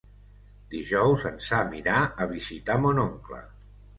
Dijous en Sam irà a visitar mon oncle.